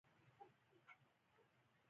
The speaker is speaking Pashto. ښه عمل د ایمان ثبوت دی.